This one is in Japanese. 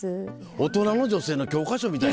大人の女性の教科書みたいじゃない？